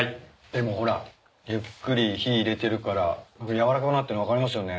でもほらゆっくり火入れてるから軟らかくなってるの分かりますよね。